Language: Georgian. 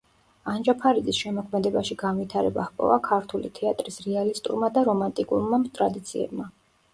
ანჯაფარიძის შემოქმედებაში განვითარება ჰპოვა ქართული თეატრის რეალისტურმა და რომანტიკულმა ტრადიციებმა.